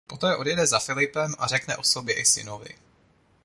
Poté odejde za Philipem a řekne o sobě i synovi.